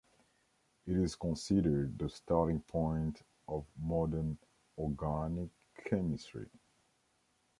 It is considered the starting point of modern organic chemistry.